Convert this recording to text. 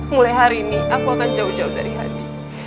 mulai hari ini aku akan jauh jauh dari hati